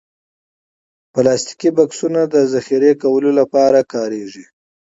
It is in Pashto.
پلاستيکي بکسونه د ذخیره کولو لپاره کارېږي.